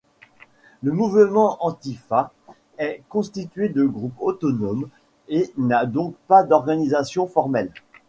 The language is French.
Le mouvement Antifa est constitué de groupes autonomes, et n'a donc pas d'organisation formelle.